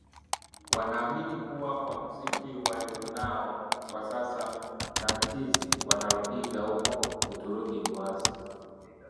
Wanaamini kuwa kwa mziki walionao kwa sasa na tizi wanalopiga huko Uturuki ni wazi